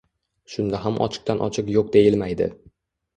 Shunda ham ochiqdan ochiq yo’q deyilmaydi.